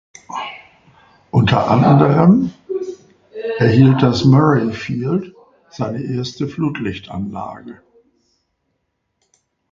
Unter anderem erhielt das Murrayfield seine erste Flutlichtanlage.